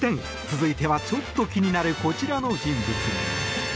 続いてはちょっと気になるこちらの人物。